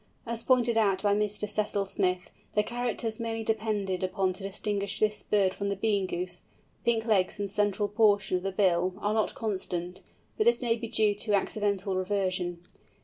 As pointed out by Mr. Cecil Smith, the characters mainly depended upon to distinguish this bird from the Bean Goose—pink legs and central portion of the bill—are not constant; but this may be due to accidental reversion.